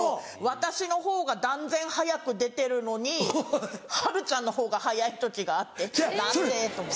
私のほうが断然早く出てるのにはるちゃんのほうが早い時があって何で？と思って。